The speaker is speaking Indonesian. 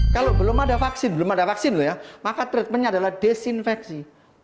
kalau belum ada vaksin maka treatmentnya adalah desinfeksi